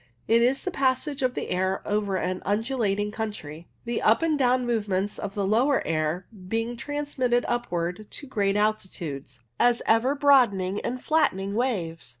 It is the passage of the air over an undulating country; the up and down movements of the lower air being transmitted upwards to great altitudes, as ever broadening and flattening waves.